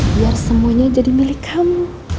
biar semuanya jadi milik kamu